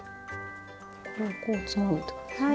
これをこうつまむってことですね？